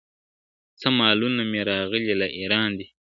څه مالونه مي راغلي له اېران دي ,